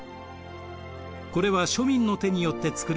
これは庶民の手によって作られたものです。